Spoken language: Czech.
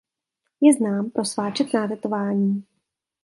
Je znám pro svá četná tetování.